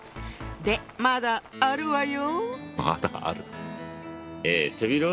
でまだあるわよ。